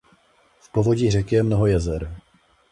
V povodí řeky je mnoho jezer.